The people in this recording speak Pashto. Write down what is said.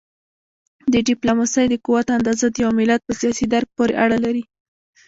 د ډیپلوماسی د قوت اندازه د یو ملت په سیاسي درک پورې اړه لري.